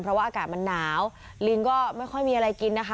เพราะว่าอากาศมันหนาวลิงก็ไม่ค่อยมีอะไรกินนะคะ